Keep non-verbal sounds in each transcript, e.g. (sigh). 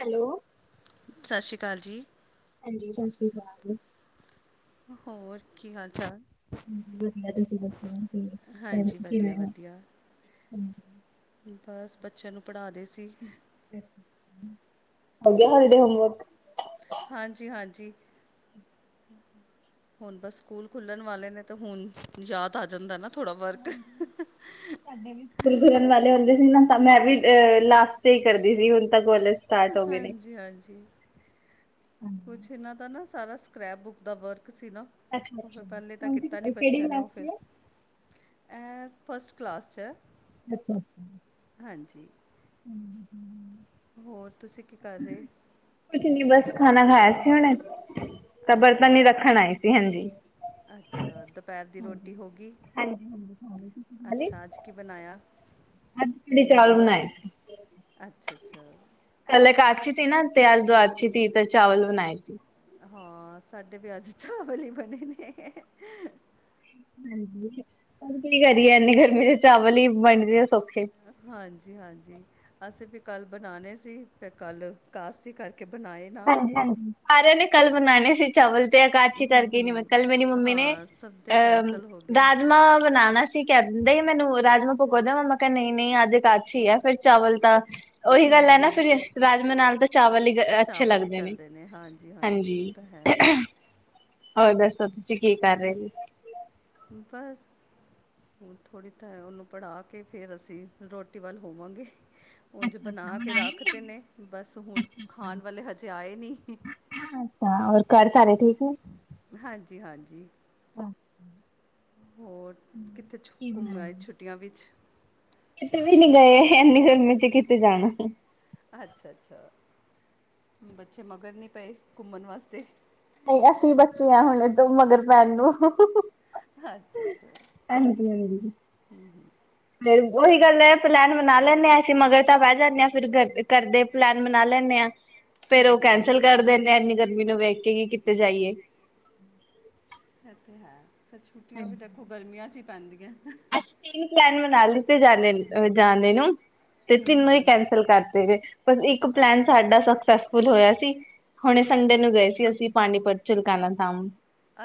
Hello. ਸਤਿ ਸ਼੍ਰੀ ਅਕਾਲ ਜੀ। ਹਾਂਜੀ, ਸਤਿ ਸ੍ਰੀ ਅਕਾਲ- ਹੋਰ ਕੀ ਹਾਲ ਚਾਲ- ਹਾਂ ਵਧੀਆ ਤੁਸੀਂ ਦੱਸੋ ਹਾਂਜੀ ਵਧੀਆ ਕਿਵੇਂ ਹੋ? ਵਧੀਆ, ਬਸ ਬੱਚਿਆ ਨੂੰ ਪੜ੍ਹਾ ਦੇ ਸੀ। ਹੋ ਗਿਆ ਹੋਲੀਡੇ ਹੋਮਵਰਕ? ਹਾਂਜੀ ਹਾਂਜੀ। ਹੁਣ ਬਸ ਸਕੂਲ ਖੋਲਣ ਵਾਲੇ ਨੇ ਤਾਂ ਹੁਣ ਯਾਦ ਆ ਜਾਂਦਾ ਨਾ ਥੋੜਾ ਵਰਕ ਮੈਂ ਵੀ ਲਾਸਟ ਹੀ ਕਰਦੀ ਸੀ ਹੁਨ ਤਾਂ ਕਾਲਜ ਸਟਾਰਟ ਹੋ ਗਏ ਨੇ ਹਾਂਜੀ- ਹਾਂਜੀ। ਕੁਝ ਇਨਾ ਤਾਂ ਨਾ ਸਾਰਾ ਸਕਰੈਪ ਬੁੱਕ ਦਾ ਵਰਕ ਸੀ ਨਾ- ਉਹ ਫਿਰ ਪਹਿਲੇ ਤਾਂ ਕੀਤਾ ਨਹੀਂ ਬੱਚਿਆਂ ਨੇ ਉਹ ਫਿਰ- ਫਸਟ ਕਲਾਸ 'ਚ ਐ- ਅੱਛਾ ਅੱਛਾ। ਹਮ ਹਮ- ਹੋਰ ਤੁਸੀਂ ਕੀ ਕਰ ਰਹੇ? ਕੁਛ ਨਹੀਂ ਬਸ ਖਾਨਾ ਖਾਇਆ ਸੀ ਹੁਨੇ, ਤੇ ਅੱਛਾ ਬਰਤਨ ਹੀ ਅੱਛਾ, ਰੱਖਣ ਆਏ ਸੀ। ਹਾਂਜੀ ਅੱਛਾ, ਦੁਪਹਿਰ ਦੀ ਰੋਟੀ ਹੋਗੀ? ਅੱਛਾ, ਅੱਜ ਕੀ ਬਣਾਇਆ? ਅੱਜ, ਕੜੀ-ਚੌਲ ਬਣਾਏ ਸੀ। ਅੱਛਾ-ਅੱਛਾ। ਕੱਲ ਏਕਾਸ਼ੀ ਨਾ, ਤੇ ਅੱਜ ਦ੍ਵਆਰਛੀ ਸੀ, ਤੇ ਚਾਵਲ ਬਣਾਏ ਸੀ। ਹਾਂ, ਸਾਡੇ ਵੀ ਅੱਜ ਚਾਵਲ ਹੀ ਬਣੇ ਨੇ। ਹੁਣ ਕੀ ਕਰੀਏ, ਇਹਨੀ ਗਰਮੀ'ਚ ਚਾਵਲ ਹੀ ਬਣਦੇ ਆ ਸੋਖੇ। ਹਾਂਜੀ-ਹਾਂਜੀ, ਅਸੀਂ ਫਿਰ ਕੱਲ ਬਣਾਣੇ ਸੀ, ਫਿਰ ਕੱਲ ਕਾੱਸੀ ਕਰ ਕੇ ਬਣਾਏ ਨਾ ਹਾਂਜੀ-ਹਾਂਜੀ, ਸਾਰਿਆਂ ਨੇ ਕੱਲ ਬਨਾਣੇ ਸੀ। ਚਾਵਲ ਤੇ ਏਕਾਸ਼ੀ ਹੂੰ ਕਰਕੇ ਨ੍ਹੀ, ਹੂੰ ਕੱਲ ਮੇਰੀ ਮੰਮੀ ਨੇ ਹਾਂ ਸਭ ਦੇ ਕੈਂਸਲ ਹੋ ਗਿਆ ਰਾਜਮਾ ਬਣਾਣਾ ਕੀ ਕਹਿ ਦਿੰਦੇ ਮੈਨੂੰ, ਰਾਜਮਾ ਭਗੋਦਾ ਮੰਮਾ, ਮੈਂ ਕਿਹਾ ਨਹੀਂ-ਨਹੀਂ ਅੱਜ ਅਕਾਸ਼ੀ ਆ, ਫਿਰ ਚਾਵਲ ਤਾ ਓਹੀ ਗੱਲ ਹੈ ਨਾ ਫਿਰ, ਰਾਜਮਾਂ ਨਾਲ ਤਾਂ ਚਾਵਲ ਈ ਅੱਛੇ ਚਾਵਲ ਹੀ ਲੱਗਦੇ ਨੇ, ਚੱਲਦੇ ਹਾਂਜੀ ਉਹ ਹਾਂਜੀ। ਤਾਂ ਹੈ ਹੋਰ ਦੱਸੋ, ਤੁਸੀਂ ਕੀ ਕਰ ਰਹੇ ਸੀ? ਬਸ ਹੁਨ ਥੋੜ੍ਹੀ ਥ ਉਹਨੂੰ ਪੜ੍ਹਾਕੇ, ਫਿਰ ਅਸੀਂ ਰੋਟੀ ਵੱਲ ਹੋਵਾਂਗੇ। ਉਂਝ ਬਣਾਕੇ ਰੱਖਤੇ ਨੇ, ਬਸ ਹੁਣ ਖਾਣ ਵਾਲੇ ਹਜੇ ਆਏ ਨਹੀ। ਅੱਛਾ, ਹੋਰ ਘਰ ਸਾਰੇ ਠੀਕ ਐ? ਹਾਂਜੀ-ਹਾਂਜੀ। ਅੱਛਾ। ਹੋਰ, ਕਿੱਥੇ ਛੁ ਘੁੰਮ ਆਏ ਛੁੱਟੀਆਂ ਵਿੱਚ? ਕਿਤੇ ਵੀ ਨਹੀਂ ਗਏ, ਇਹਨੀਂ ਗਰਮੀ'ਚ ਕਿਤੇ ਜਾਣਾ। ਅੱਛਾ-ਅੱਛਾ, ਬੱਚੇ ਮਗਰ ਨਹੀਂ ਪਏ, ਘੁੰਮਣ ਵਾਸਤੇ? ਤੇ ਅਸੀਂ ਬੱਚੇ ਆਂ, ਹੁਣ ਇਹਦੋ ਮਗਰ ਪੈਣ ਨੂੰ। ਅੱਛਾ-ਅੱਛਾ, ਹਾਂਜੀ ਹਾਂਜੀ ਹੂੰ ਫਿਰ ਉਹੀ ਗੱਲ ਏ, ਪਲੈਨ ਬਣਾ ਲੈਂਨੇ ਆ, ਅਸੀ ਮਗਰ ਤਾਂ ਬਹਿ ਜਾਂਦੇ ਆ ਫਿਰ ਘਰਦੇ ਪਲੈਨ ਬਣਾ ਲੈਂਨੇ ਆ, ਫਿਰ ਉਹ ਕੈਂਸਲ ਕਰ ਦਿੰਨੇ ਆ, ਇਨੀ ਗਰਮੀ ਨੂੰ ਵੇਖ ਕੇ ਕੀਤੇ ਜਾਈਏ। ਇਹ ਤੇ ਹੈ, ਫਿਰ ਛੁੱਟੀਆਂ ਵੀ ਦੇਖੋ ਗਰਮੀਆਂ'ਚ ਹੀ ਪੈਂਦੀਆਂ। ਤਿੰਨ ਪਲੈਨ ਮਨਾਲੀ ਤੇ ਜਾਨੇਨ, ਜਾਣੇ ਨੂੰ। ਤੇ ਤਿੰਨੋ ਈ ਕੈਂਸਲ ਕਰਤੇ ਜੇ, ਬਸ ਇੱਕ ਪਲੈਨ ਅੱਛਾ ਸਾਡਾ ਅੱਛਾ ਸਕਸੇਸ ਫੂਲ ਹੋਇਆ ਸੀ, ਹੁਣ ਸੰਡੇ ਨੂੰ ਗਏ ਸੀ, ਅਸੀਂ ਪਾਣੀਪਤ, ਚੁਲਕਾਣਾ ਧਾਮ ਨੂੰ।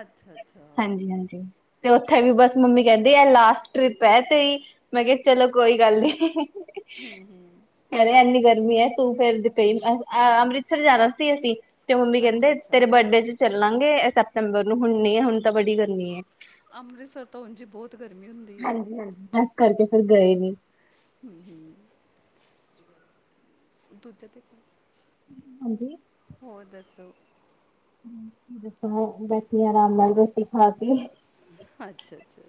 ਅੱਛਾ ਅੱਛਾ ਹਾਂਜੀ-ਹਾਂਜੀ, ਤੇ ਉੱਥੇ ਵੀ ਬਸ ਮੰਮੀ ਕਹਿੰਦੀ ਏ, ਲਾਸਟ ਟ੍ਰਿਪ ਹੈ ਤੇਈ, ਮੈਂ ਕਿਹਾ ਚਲੋ, ਕੋਈ ਗੱਲ ਨੀ। ਹੂੰ, ਹੂੰ ਕਹਿ ਰਹੇ ਇੰਨੀ ਗਰਮੀ ਏ, ਤੂੰ ਫਿਰ ਕਈ, ਅੰਮ੍ਰਿਤਸਰ ਜਾਣਾ ਸੀ ਅਸੀਂ। ਤੇ ਮੰਮੀ ਕਹਿੰਦੇ, ਤੇਰੇ ਅੱਛਾ ਬਰਡੇ'ਚ ਚੱਲਾਂਗੇ ਸਪਟੇਂਬਰ ਨੂੰ, ਹੁਣ ਨਹੀਂ ਹੁਣ ਤਾਂ ਬੜੀ ਗਰਮੀ ਏ। ਅੰਮ੍ਰਿਤਸਰ ਤੋ ਉਂਝ ਈ ਬਹੁਤ ਗਰਮੀ ਹੁਨ ਹਾਂਜੀ-ਹਾਂਜੀ, ਐਸ ਕਰਕੇ ਫਿਰ ਗਏ ਨਹੀ। ਹੂੰ, ਹੂੰ, ਦੂਜਾ ਦੇ ਤਾ ਹਾਂਜੀ? ਹੋੋਰ ਦੱਸੋ? ਕੀ ਦੱਸੋ, ਹੋਰ ਬੈਠੀ ਆਂ ਆਰਾਮ ਨਾਲ ਰੋਟੀ ਖਾਕੇ। ਅੱਛਾ-ਅੱਛਾ,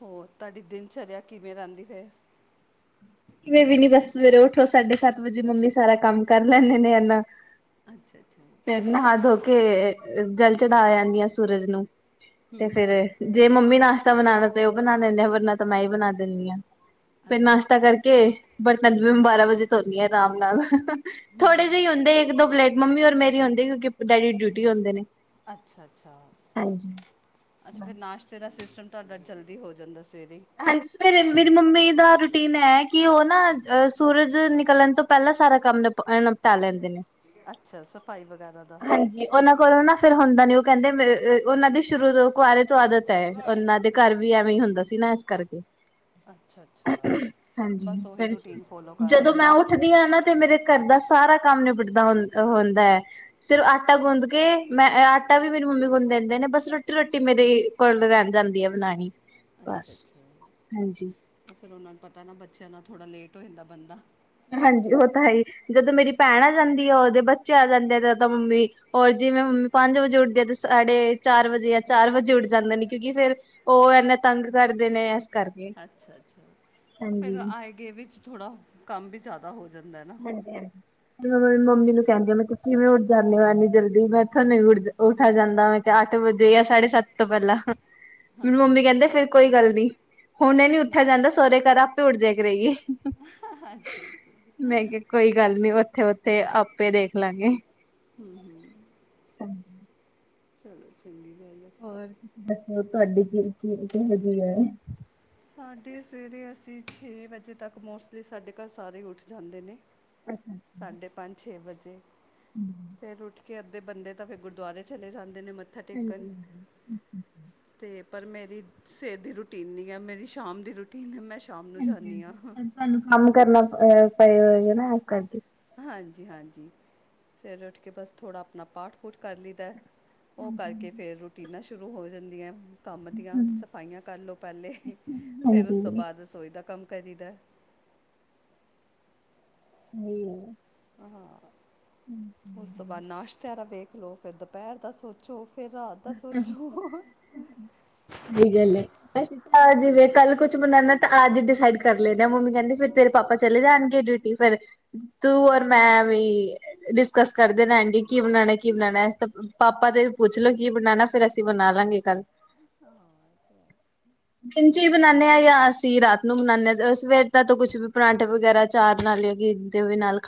ਹੋਰ, ਤੁਹਾਡੀ ਦਿਨਚਰਿਆ ਕਿਵੇਂ ਰਹਿੰਦੀ ਫੇਰ? ਕਿਵੇਂ ਵੀ ਨੀ ਬਸ, ਸਵੇਰੇ ਉੱਠੋ ਸਾਢੇ-ਸੱਤ ਵਜੇ, ਮੰਮੀ ਸਾਰਾ ਕੰਮ ਕਰ ਲੈਂਨੇ ਨੇ ਇੰਨਾ। ਅੱਛਾ-ਅੱਛਾ। ਫਿਰ, ਨਹਾ, ਧੋਕੇ ਜਲ ਚੜਾ ਯਾਂਨੀ ਆਂ ਸੂਰਜ ਨੂੰ, ਤੇ ਫੇਰ ਜੇ ਮੰਮੀ ਨਾਸ਼ਤਾ ਬਣਾਣਾ ਤੇ ਉਹ ਬਣਾ ਲੈਂਦੇ ਆ, ਵਰਨਾ ਤਾਂ ਮੈਂ ਹੀ ਬਣਾ ਦਿੰਨੀ ਆਂ, ਫਿਰ ਅੱਛਾ ਨਾਸ਼ਤਾ ਕਰ ਅੱਛਾ ਕੇ ਬਰਤਨ ਵੀ ਮੈ ਬਾਰਾਂ-ਵਜੇ ਧੋਂਨੀ ਆ ਆਰਾਮ ਨਾਲ, ਥੋੜੇ ਜਿਹੇ ਹੁੰਦੇ ਇੱਕ-ਦੋ ਪਲੇਟ ਮੰਮੀ ਔਰ ਮੇਰੀ ਹੁੰਦੀ, ਕਿਉਂਕਿ ਡੈਡੀ ਡਿਊਟੀ ਹੁੰਦੇ ਨੇ। ਅੱਛਾ ਅੱਛਾ ਅੱਛਾ ਫਿਰ ਨਾਸ਼ ਫੇਰ ਆ ਸਿਸਟਮ ਤੁਹਾਡਾ ਜਲਦੀ ਹੋ ਜਾਂਦਾ ਸਵੇਰੇ ਈ। ਹਾਂਜੀ, ਫੇਰ ਮੇਰੀ ਮੰਮੀ ਦਾ ਰੂਟੀਨ ਐ ਕਿ ਉਹ ਨਾ ਸੂਰਜ ਨਿਕਲਣ ਤੋਂ ਪਹਿਲਾਂ ਸਾਰਾ ਕੰਮ ਐਂ ਨਿਪਟਾ ਲੈਂਦੇ ਨੇ। ਅੱਛਾ ਸਫਾਈ ਵਗੈਰਾ ਦਾ। ਹਾਂਜੀ ਉਹਨਾਂ ਕੋਲੋਂ ਨਾ ਫੇਰ ਹੁੰਦਾ ਨੀ ਉਹ ਕਹਿੰਦੇ ਉਹਨਾਂ ਦੀ ਸ਼ੁਰੂ ਤੋਂ ਕੁਆਰੇ ਤੋਂ ਆਦਤ ਐ। ਉਹਨਾਂ ਦੇ ਘਰ ਵੀ ਐਵੇਂ ਹੀ ਹੁੰਦਾ ਸੀ ਨਾ ਇਸ ਕਰਕੇ ਅੱਛਾ ਅੱਛਾ ਹਾਂਜੀ ਬਸ ਉਹੀ ਫਿਰ ਰੂਟੀਨ ਫੋਲੋ ਕਰ ਰਹੇ ਜਦੋਂ ਨੇ ਮੈਂ ਉਹ ਉੱਠ ਦੀ ਆ ਨਾ ਤੇ ਮੇਰੇ ਘਰ ਦਾ ਸਾਰਾ ਕੰਮ ਨਿਬੜਦਾ ਹੂ ਹੁੰਦਾ ਐ। ਸਿਰਫ਼ ਆਟਾ ਗੁੰਦ ਕੇ ਮੈਂ ਆਟਾ ਵੀ ਮੇਰੀ ਮੰਮੀ ਗੁੰਦ ਦਿੰਦੇ ਨੇ ਬਸ ਰੋਟੀ ਰੋਟੀ ਮੇਰੀ ਕੋਲ ਰਹਿ ਜਾਂਦੀ ਆ ਬਣਾਣੀ। ਅੱਛਾ ਅੱਛਾ, ਉਹ ਫਿਰ ਉਹਨਾਂ ਨੂੰ ਪਤਾ ਨਾ ਬੱਚਿਆਂ ਨਾਲ ਥੋੜ੍ਹਾ ਲੇਟ ਹੋ ਜਾਂਦਾ ਬੰਦਾ। ਹਾਂਜੀ ਉਹ ਤਾਂ ਹੈਈ ਜਦੋਂ ਮੇਰੀ ਭੈਣ ਆ ਜਾਂਦੀ ਆ ਉਹਦੇ ਬੱਚੇ ਆ ਜਾਂਦੇ ਆ ਜ ਤਾਂ ਮੰਮੀ ਔਰ ਜੇ ਮੈਂ ਮੰਮੀ ਪੰਜ ਵਜੇ ਉੱਠਦੀ ਆ ਤੇ ਸਾਡੇ ਚਾਰ ਵਜੇ ਜਾਂ ਚਾਰ ਵਜੇ ਉੱਠ ਜਾਂਦੇ ਨੇ ਕਿਉਂਕਿ ਫੇਰ ਉਹ ਇੰਨਾ ਤੰਗ ਕਰਦੇ ਨੇ। ਕਰਕੇ ਅੱਛਾ ਅੱਛਾ, ਫਿਰ ਹਾਂਜੀ ਆਏ ਗਏ ਵਿੱਚ ਥੋੜਾ ਕੰਮ ਵੀ ਜ਼ਿਆਦਾ ਹੋ ਜਾਂ, ਹਾਂਜੀ ਹਾਂਜੀ, ਮੰਮੀ ਨੂੰ ਕਹਿੰਦੀ ਮੈਂ ਕਿਵੇਂ ਉੱਠ ਜਾਣੇ ਓ ਐਨੀ ਜਲਦੀ ਮੈਥੋ ਨੀ ਉੱਠ ਉੱਠਾ ਜਾਂਦਾ ਮੈਂ ਕਿਹਾ ਅੱਠ ਵਜੇ ਜਾਂ ਸਾਢੇ ਸੱਤ ਤੋਂ ਪਹਿਲਾਂ ਮੈਨੂੰ ਅੱਛਾ ਮੰਮੀ ਅੱਛਾ ਕਹਿੰਦੇ ਫੇਰ ਕੋਈ ਗੱਲ ਨੀ। ਹੁਣੇ ਨੀ ਉੱਠਿਆ ਜਾਂਦਾ ਸਹੁਰੇ ਘਰ ਆਪੇ ਉੱਠ ਜਿਆ ਕਰੇਗੀ। ਹਾਂਜੀ, ਮੈਂ ਕਿਹਾ ਕੋਈ ਗੱਲ ਨੀ ਉੱਥੇ ਉੱਥੇ ਆਪੇ ਦੇਖ ਲਾਂਗੇ। ਹੂੰ ਹੂੰ, ਚਲੋ ਚੰਗੀ ਗੱਲ ਆ। ਹੋਰ ਤੁਸੀਂ ਦੱਸੋ ਤੁਹਾਡੀ ਕੀ ਕੀ ਕਿਹੋ ਜਿਹੀ ਹੈ? ਸਾਡੇ ਸਵੇਰੇ ਅਸੀਂ ਛੇ ਵਜੇ ਤੱਕ ਮੋਸਟਲੀ ਸਾਡੇ ਘਰ ਸਾਰੇ ਉੱਠ ਜਾਂਦੇ ਨੇ। ਸਾਢੇ ਪੰਜ ਛੇ ਵਜੇ ਫਿਰ ਉੱਠ ਕੇ ਅੱਧੇ ਬੰਦੇ ਤਾਂ ਫਿਰ ਗੁਰਦੁਆਰੇ ਚਲੇ ਜਾਂਦੇ ਨੇ ਮ ਹਾਂਜੀ ਹਾਂ, ਤੇ ਪਰ ਮੇਰੀ ਸਵੇਰ ਦੀ ਰੂਟੀਨ ਨਹੀਂ ਐ ਮੇਰੀ ਸ਼ਾਮ ਦੀ ਰੂਟੀਨ ਮੈਂ ਸ਼ਾਮ ਨੂੰ ਜਾਣੀ ਆ। ਹਾਂਜੀ ਅੱਜ ਤੁਹਾਨੂੰ ਕੰਮ ਕਰਨਾ ਪਏ ਹੋਏਗੇ ਨਾ ਇਸ ਕਰਕੇ ਹਾਂਜੀ ਹਾਂਜੀ, ਸਵੇਰੇ ਉੱਠ ਕੇ ਬਸ ਥੋੜ੍ਹਾ ਆਪਣਾ ਪਾਠ ਪੂਠ ਕਰ ਲਈਦਾ। ਉਹ ਕਰਕੇ ਫਿਰ ਰੂਟੀਨਾਂ ਸ਼ੁਰੂ ਹੋ ਜਾਂਦੀਆਂ। ਕੰਮ ਦੀਆਂ ਸਫਾਈਆਂ ਕਰਲੋ ਪਹਿਲੇ ਫਿਰ ਹਾਂਜੀ ਉਸ ਤੋਂ ਬਾਅਦ ਰਸੋਈ ਦਾ ਕੰਮ ਕਰੀਦਾ। (unintelligible) ਹਾਂ, ਉਸ ਤੋਂ ਬਾਅਦ ਨਾਸ਼ਤਾ ਵੇਖ ਲੋ ਫਿਰ ਦੁਪਹਿਰ ਦਾ ਸੋਚੋ। ਫਿਰ ਰਾਤ ਦਾ ਸੋਚੋ। ਸਹੀ ਗੱਲ ਆ ਅਸੀਂ ਤਾਂ ਜਿਵੇਂ ਕੱਲ ਕੁਛ ਬਣਾਣਾ ਤਾਂ ਅੱਜ ਡਿਸਾਈਡ ਕਰ ਲੈਣੇ ਮੰਮੀ ਕਹਿੰਦੀ ਫੇਰ ਤੇਰੇ ਪਾਪਾ ਚਲੇ ਜਾਣਗੇ ਡਿਊਟੀ ਫੇਰ ਤੂੰ ਔਰ ਮੈਂ ਵੀ ਕਰਦੇ ਰਹਿਣਗੇ ਕੀ ਬਣਾਣਾ ਕੀ ਬਣਾਣਾ ਤਾਂ ਪਾਪਾ ਤੇ ਵੀ ਪੁੱਛ ਲੋ। ਕੀ ਬਣਾਣਾ ਫੇਰ ਅਸੀਂ ਬਣਾ ਲਾਂਗੇ ਕੱਲ੍ਹ। ਹਾਂ, (inaudible) ਦਿਨ ਚ ਵੀ ਬਣਾਂਦੇ ਆ ਜਾਂ ਅਸੀਂ ਰਾਤ ਨੂੰ ਬਣਾਂਦੇ ਆ ਸਵੇਰ ਦਾ ਤਾਂ ਕੁੱਛ ਵੀ ਪਰਾਂਠੇ ਵਗੈਰਾ ਚਾਰ ਨਾਲ ਜਾਂ (unintelligible)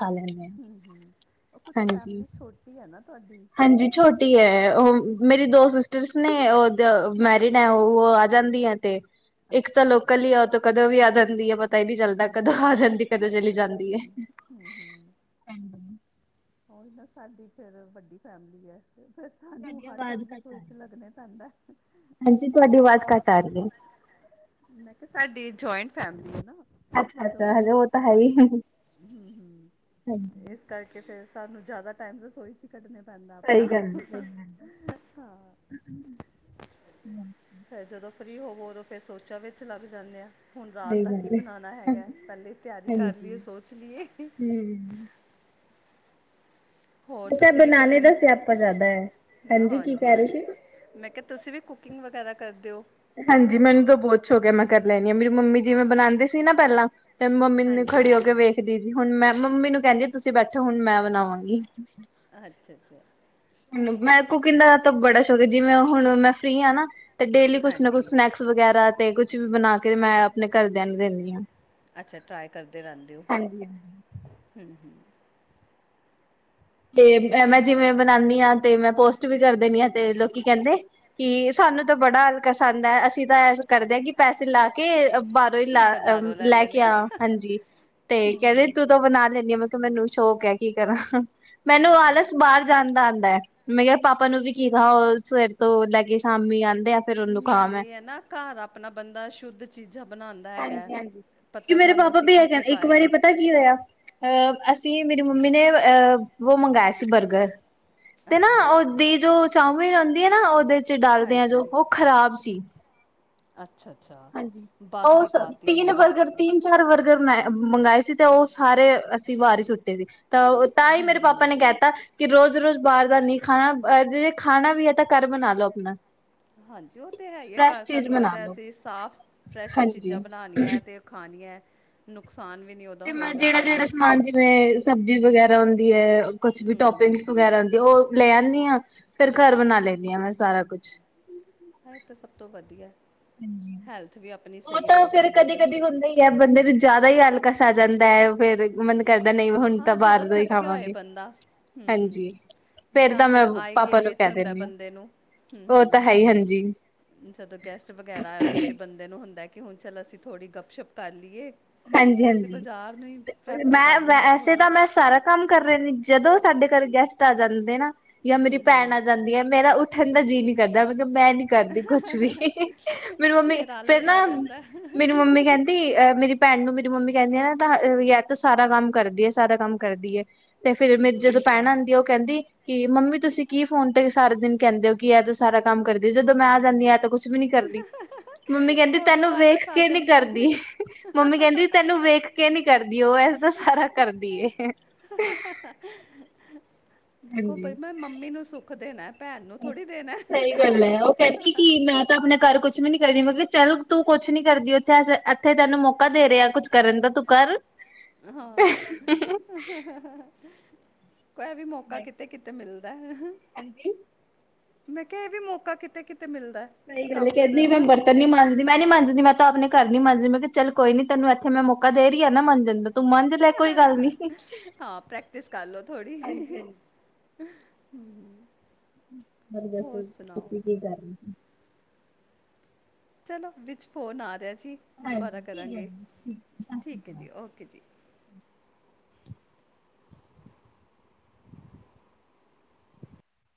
ਹਾਂ ਹੂੰ ਹੂੰ, ਉਹ ਕੁਛ ਹਾਂਜੀ ਫੈਮਿਲੀ ਛੋਟੀ ਐ ਨਾ ਤੁਹਾਡੀ। ਹਾਂਜੀ ਛੋਟੀ ਐ ਹੂੰ ਉਹ ਮੇਰੀ ਹੂੰ ਦੋ ਸਿਸ ਟਰਸ ਨੇ ਉਹ ਮੈਰਿਡ ਐ ਉਹ ਆ ਜਾਂਦੀ ਐ ਤੇ ਇੱਕ ਤਾਂ ਅੱਛਾ ਅੱਛਾ ਲੋਕਲ ਹੀ ਉਹ ਕਦੋਂ ਵੀ ਆ ਜਾਂਦੀ ਐ ਪਤਾ ਹੀ ਨੀ ਚੱਲਦਾ ਹਮ ਕਦੋਂ ਆ ਜਾਂਦੀ ਕਦੋਂ ਚਲੀ ਜਾਂਦੀ। ਹੂੰ ਹੂੰ, ਉਹੀ ਨਾ ਸਾਡੀ ਫੇਰ ਵੱਡੀ ਫੈਮਿਲੀ ਹੈ ਤੇ ਫਿਰ ਸਾਨੂੰ ਹਰ ਟਾਈਮ ਰਸੋਈ ਚ ਲੱਗਨਾ ਪੈਂਦਾ। ਆਂਟੀ ਤੁਹਾਡੀ ਆਵਾਜ਼ ਘੱਟ ਆ ਰਹੀ ਹੈ। ਮੈਂ ਕਿਹਾ ਸਾਡੀ ਜੁਆਇੰਟ ਫੈਮਿਲੀ ਹੈ ਨਾ। ਅੱਛਾ ਤੇ ਅੱਛਾ ਫਿਰ ਹਜੇ ਉਹ ਤਾਂ ਹੈ ਹੀ ਹਾਂਜੀ ਹਮ-ਹਮ ਇਸ ਕਰਕੇ ਫੇਰ ਸਾਨੂੰ ਜਾਦਾ ਟਾਈਮ ਰਸੋਈ ਕੱਢਨਾ ਪੈਂਦਾ ਆਪਣਾ ਸਹੀ ਗੱਲ ਹੈ ਸਹੀ ਗੱਲ ਹੈ। ਹਾ। ਹਮ ਫੇਰ ਜਦੋਂ ਫਰੀ ਹੋਵੋ ਉਦੋ ਫਿਰ ਸੋਚਾ ਵਿੱਚ ਲੱਗ ਜਾਂਦੇ ਹਾ। ਹੁਣ ਰਾਤ ਸਹੀ ਦਾ ਕੀ ਗੱਲ ਏ। ਬਣਾਣਾ ਹੈਗਾ ਪਹਿਲੇ ਤਿਆਰੀ ਕਰ ਲਈਏ ਸੋਚ ਲਈਏ। ਹਮ ਹੋਰ ਬੇਟਾ ਤੁਸੀਂ ਵੀ ਬਨਾਨੇ ਕੁਕਿੰਗ, ਦਾ ਸਿਆਪਾ ਜ਼ਿਆਦਾ ਹੈ ਹਾਂਜੀ ਕੀ ਕਹਿ ਰਹੇ ਸੀ। ਹਾਂਜੀ-ਹਾਂਜੀ। ਮੈਂ ਕਿਹਾ ਤੁਸੀ ਵੀ ਕੁਕਿੰਗ ਵਗੈਰਾ ਕਰਦੇ ਹੋ। ਹਾਂਜੀ ਮੈਨੂੰ ਤਾ ਬਹੁਤ ਸ਼ੌਕ ਹੈ ਮੈਂ ਕਰ ਲੈਣੀ ਹਾਂ ਮੇਰੀ ਮੰਮੀ ਜਿਵੇਂ ਬਣਾਉਂਦੇ ਸੀ ਨਾ ਪਹਿਲਾ ਤੇ ਮੰਮੀ ਖੜੀ ਹਾਂਜੀ ਹੋ ਕੇ ਵੇਖ ਦੀ ਸੀ ਹੁਣ ਮੈਂ ਮੰਮੀ ਨੂੰ ਕਹਿੰਦੀ ਤੁਸੀਂ ਬੈਠੋ ਹੁਣ ਮੈਂ ਬਣਾਵਾਂਗੀ। ਅੱਛਾ-ਅੱਛਾ ਮੈਂ ਕੁਕਿੰਗ ਦਾ ਤਾ ਬੜਾ ਸ਼ੌਕ ਹੈ ਜਿਵੇ ਹੁਣ ਮੈਂ ਫ੍ਰਰੀ ਹਾ ਨਾ ਤੇ ਡੇਲੀ ਕੁਛ ਨਾ ਕੁਛ ਹਾਂਜੀ ਸਨੈਕਸ ਵਗੈਰਾ ਤੇ ਕੁਛ ਵੀ ਬਣਾ ਕੇ ਮੈਂ ਆਪਣੇ ਘਰਦਿਆ ਨੂੰ ਦਿੰਦੀ ਹਾਂ। ਅੱਛਾ ਟਰਾਈ ਕਰਦੇ ਰਹਿੰਦੇ ਹੋ ਹਮ। ਤੇ ਮੈਂ ਜਿਵੇ ਬਨਾਨੀ ਹਾ ਤੇ ਮੈਂ ਪੋਸਟ ਵੀ ਕਰ ਦੇਣੀ ਆ ਤੇ ਲੋਕੀ ਕਹਿੰਦੇ ਕਿ ਸਾਨੂੰ ਤਾਂ ਬੜਾ ਹਲਕਸੰਦ ਹੈ ਅਸੀ ਤਾ ਇੰਜ ਕਰਦੇ ਹਾਂ ਕਿ ਪੈਸੇ ਲਾ ਕੇ ਲਾ ਬਾਜ਼ਾਰੋਂ ਲੈ ਕੇ ਲੈਂਦੇ ਹਾਂ ਆ ਹਾਂਜੀ ਤੇ ਕਹਿੰਦੇ ਤੂੰ ਤੋਂ ਬਣਾ ਲੈਂਣੀ ਆ ਮੈਂ ਮੈਨੂੰ ਸ਼ੌਕ ਹੈ ਕੀ ਕਰਾ ਮੈਨੂੰ ਆਲਸ ਬਾਰ ਜਾਣ ਦਾ ਆਦਾ। ਮੈਂ ਕਿਹਾ ਪਾਪਾ ਨੂੰ ਵੀ ਕੀ ਉਹ ਸਵੇਰ ਤੋਂ ਲੈ ਕੇ ਸ਼ਾਮੀ ਆਦੇ ਆ। ਫਿਰ ਉਹਨੂੰ ਕਹਾ ਮੈਂ ਨਾਲੇ ਹੈ ਨਾ ਘਰ ਆਪਣਾ ਬੰਦਾ ਸ਼ੁੱਧ ਚੀਜ਼ਾ ਬਣਾਉਂਦਾ ਹੈਗਾ, ਕਿ ਪਤਾ ਮੇਰੇ ਸਾਨੂੰ ਪਾਪਾ ਅਸੀਂ ਵੀ ਕੀ-ਕੀ ਇੱਕ ਵਾਰੀ ਪਾਇਆ। ਪਤਾ ਕੀ ਹੋਇਆ ਅਹ ਅਸੀ ਮੇਰੀ ਮੰਮੀ ਨੇ ਅਹ ਵ ਮੰਗਵਾਆ ਸੀ ਬਰਗਰ। ਤੇ ਨਾ ਅੱਛਾ ਉਹਦੀ ਜੋ ਚੋਮੀਨ ਹੁੰਦੀ ਹੈ ਨਾ ਉਹਦੇ ਚ ਡਲਦੇ ਆ ਹਾਂਜੀ ਜੋ ਉਹ ਖ਼ਰਾਬ ਸੀ। ਅੱਛਾ-ਅੱਛਾ ਉਸ ਤਿੰਨ ਬਰਗਰ ਤਿੰਨ, ਚਾਰ ਵਰਗਰ ਬਣਾ ਮੰਗਾਏ ਸੀ ਤੇ ਉਹ ਸਾਰੇ ਅਸੀ ਬਾਰ ਹੀ ਸੁੱਟੇ ਸੀ। ਤਾ, ਤਾ ਹੀ ਮੇਰੇ ਪਾਪਾ ਨੇ ਕਹ ਤਾ ਕਿ ਰੋਜ਼-ਰੋਜ਼ ਬਾਰ ਦਾ ਨਹੀ ਖਾਣਾ ਅ ਜ ਖਾਣਾ ਵੀ ਹੈ ਤਾ ਘਰ ਬਣਾ ਲੋ ਆਪਣਾ। ਹਾਂਜੀ ਉਹ ਤੇ ਹੈ ਹੀ ਹੈ ਫਰੈਸ਼ ਘਰ ਚੀਜ਼ ਸਾਨੂੰ ਬਣਾ ਪਤਾ ਲੋ। ਅਸੀ ਸਾਫ ਫਰੈਸ਼ ਚੀਜ਼ਾ ਹਾਂਜੀ। ਬਣਾਉਣੀਆ ਤੇ ਖਾਣੀਏ ਨੁਕਸਾਨ ਵੀ ਨੀ ਉਹ ਤੇ ਮੈਂ ਜਿਹੜਾ-ਜਿਹੜਾ ਸਮਾਨ ਜਿਵੇ ਸਬਜ਼ੀ ਵਗੈਰਾ ਹੁੰਦੀ ਹੈ ਕੁਛ ਵੀ ਟੋਪਿੰਗਸ ਵਗੈਰਾ ਹੁੰਦੀ ਉਹ ਲੈ ਆਨੀ ਆ ਫੇਰ ਘਰ ਬਣਾ ਲੇਨੀ ਹਾ ਮੈਂ ਸਾਰਾ ਕੁਛ। ਇਹ ਤਾ ਸਭ ਤੋ ਵਧੀਆ। ਹਾਂਜੀ ਹੈਲਥ ਵੀ ਆਪ ਉਹ ਤਾ ਫੇਰ ਕਦੀ-ਕਦੀ ਹੁੰਦਾ ਹੀ ਹੈ ਬੰਦੇ ਨੂੰ ਜਾਦਾ ਹੀ ਹਲਕਸ ਆ ਜਾਂਦਾ ਹੈ ਫੇਰ ਮਲ ਹਾਂ ਜਦੋਂ ਥੱਕਿਆ ਹੋਏ ਬੰਦਾ ਹਮ-ਹਮ। ਹਾਂਜੀ ਜਾਂ ਤਾਂ ਫੇਰ ਮੈਂ ਆਏ ਗਏ ਪਾਪਾ ਨੂੰ ਵਿੱਚ ਕਹਿ ਹੁੰਦਾ ਦਿੰਦੀ ਹਾਂ ਬੰਦੇ ਨੂੰ ਉਹ ਤਾਂ ਹੈ ਹੀ ਹਾਂਜੀ ਹਮ-ਹਮ। ਜਦੋਂ ਗੈਸਟ ਵਗੈਰਾ ਆਏ ਫੇਰ ਬੰਦੇ ਨੂੰ ਹੁੰਦਾ ਕਿ ਹੁਣ ਚੱਲ ਅਸੀਂ ਥੋੜ੍ਹੀ ਗੱਪਸ਼ੱਪ ਕਰ ਲਈਏ। ਤੇ ਅਸੀ ਬਾਜ਼ਾਰ ਨੂੰ ਹੀ ਪ੍ਰੈਫਰ ਕਰ ਦਿੰਦੇ ਹ। ਤੇ ਤਾ ਮੈਂ ਸਾਰਾ ਕੰਮ ਕਰ ਰਹ ਜਦੋਂ ਸਾਡੇ ਘਰ ਗੈਸਟ ਆ ਜਾਂਦੇ ਨਾ ਯਾ ਮੇਰੀ ਭੈਣ ਆ ਜਾਂਦੀ ਹੈ ਮੇਰਾ ਉੱਠਣ ਦਾ ਜੀਅ ਨੀ ਕਰਦਾ ਮਤਲਬ ਮੈਂ ਨੀ ਕਰਦੀ ਕੁਛ ਵੀ ਮੇਰੀ ਮੰਮੀ ਫਿਰ ਫੇਰ ਆਲਸ ਆ ਨਾ ਜਾਂਦਾ ਹੈ। ਮੇਰੀ ਮੰਮੀ ਕਹਿੰ ਅਹ ਮੇਰੀ ਭੈਣ ਨੂੰ ਮੇਰੀ ਮੰਮੀ ਕਹਿੰਦੀ ਆ ਨਾ ਤਾ ਯਾ ਤਾ ਸਾਰਾ ਕੰਮ ਕਰਦੀ ਹੈ, ਸਾਰਾ ਕੰਮ ਕਰਦੀ ਹੈ। ਤੇ ਫੇਰ ਮੇਰੀ ਜਦੋਂ ਭੈਣ ਆਉਂਦੀ ਆ, ਉਹ ਕਹਿੰਦੀ। ਕਿ ਮੰਮੀ ਤੁਸੀਂ ਕੀ ਫੋਨ ਤੇ ਸਾਰਾ ਦਿਨ ਕਹਿੰਦੇ ਹੋ। ਕਿ ਇਹ ਤੇ ਸਾਰਾ ਕੰਮ ਕਰਦੀ। ਜਦੋਂ ਮੈਂ ਆ ਜਾਂਦੀ ਐ ਤਾਂ ਕੁ ਛ, ਵੀ ਨੀ ਕਰਦੀ। ਮੰਮੀ ਕਹਿੰਦੀ ਕਦੋਂ ਤੈਨੂੰ ਵੇਖ ਆਲਸ ਆ ਕੇ ਨੀ ਜਾਂਦਾ ਹੈ। ਕਰਦੀ। ਮੰਮੀ ਕਹਿੰਦੀ ਤੈਨੂੰ ਵੇਖ ਕੇ ਨੀ ਕਰਦੀ। ਉਹ ਐਸ ਤਾਂ ਸਾਰਾ ਕਰਦੀ ਏ। ਦੇਖੋ ਬਈ, ਹਾਂਜੀ ਮੈਂ ਮੰਮੀ ਨੂੰ ਸੁਖ ਦੇਣਾ। ਭੈਣ ਨੂੰ ਥੋੜੀ ਦੇਣਾ ਸਹੀ ਗੱਲ ਹੈ। ਉਹ ਕਹਿੰਦੀ ਕਿ ਮੈਂ ਤਾਂ ਆਪਣੇ ਘਰ ਕੁਲ ਕੁਛ ਵੀ ਨੀ ਕਰਦੀ। ਮੈਂ ਕਿਹਾ ਚੱਲ ਤੂੰ ਕੁਛ ਨੀ ਕਰਦੀ ਉੱਥੇ, ਇੱਥੇ ਤੈਨੂੰ ਮੌਕਾ ਦੇ ਰਿਹਾ ਕੁੱਛ ਕਰਨ ਦਾ ਤੂੰ ਕਰ। ਹਾਂ, ਕੋਈ ਐਵੀ ਮੌਕਾ ਕਿਤੇ- ਕਿਤੇ। ਤੇ ਮਿਲਦਾ ਹੈ। ਹਾਂਜੀ। ਮੈਂ ਕਿਹਾ, ਇਹ ਵੀ ਮੌਕਾ ਕਿਤੇ- ਕਿਤੇ ਮਿਲਦਾ। ਸਹੀ ਗੱਲ ਹੈ। ਕੰਮ ਕਿੱਹਦੀ ਕਰਨ ਮੈਂ ਦਾ ਬਰ ਕਹਿੰਦੀ ਨੀ ਮੰਜਦੀ। ਮੈਂ ਨੀ ਮੰਨਦੀ ਮੈਂ ਤਾਂ, ਆਪਣੇ ਘਰ ਨੀ ਮੰਨਦੀ। ਮੈਂ ਕਿਹਾ ਚੱਲ ਕੋਈ ਨੀ ਤੈਨੂੰ ਇੱਥੇ ਮੈਂ ਮੌਕਾ ਦੇ ਰਹੀ ਹ ਨਾ, ਮੰਜਣ ਦਾ। ਤੂੰ ਮੰਨ ਲੈ ਕੋਈ ਗੱਲ ਨੀ। ਹਾਂ, ਪ੍ਰੈਕਟਿਸ ਕਰ ਲੋਓ ਥੋੜੀ। ਹੂੰ। ਅੱਜ ਵੈਸੇ ਵੀ ਤੁਸੀਂ ਕੀ ਕਰਨਾ। ਚਲੋ ਵਿੱਚ ਫ਼ੋਨ ਆ ਰਿਹਾ ਜੀ, ਦੁਬਾਰਾ ਕਰਾਂਗੇ। ਠੀਕ ਹੈ ਜੀ, ਓਕੇ ਜੀ।